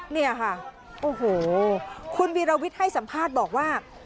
เนี่ยค่ะโอ้โหคุณวีรวิทย์ให้สัมภาษณ์บอกว่า